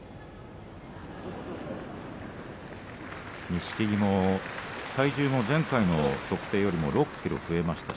錦木も体重も前回の測定よりも６ｋｇ増えました。